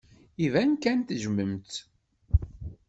Iban kan tejjmem-tt.